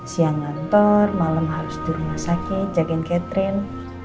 siang ngantor malem harus di rumah sakit jagain catherine